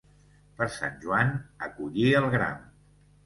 Per Sant Joan, a collir el gram.